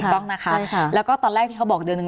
ต้องนะคะแล้วก็ตอนแรกที่เขาบอกเดือนหนึ่ง